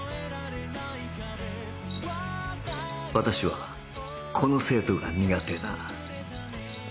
私はこの生徒が苦手だ